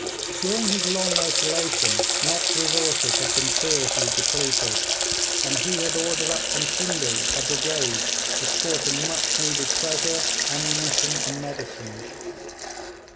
During his long isolation Nott's resources had been seriously depleted, and he had ordered up from Scinde a brigade, escorting much needed treasure, ammunition, and medicines.